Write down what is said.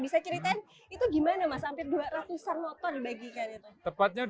bisa ceritain itu gimana mas